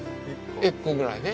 １個ぐらいね。